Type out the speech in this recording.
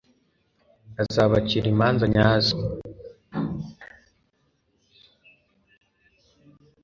azabacira imanza nyazo